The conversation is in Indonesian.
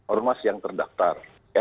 ormas yang terdaptar